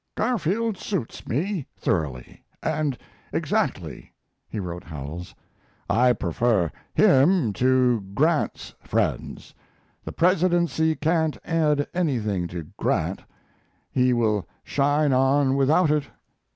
Garfield suits me thoroughly and exactly [he wrote Howells]. I prefer him to Grant's friends. The Presidency can't add anything to Grant; he will shine on without it.